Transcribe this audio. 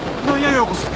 「ようこそ」て。